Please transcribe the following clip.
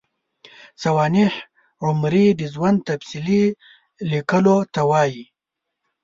سوانح عمري د ژوند تفصیلي لیکلو ته وايي.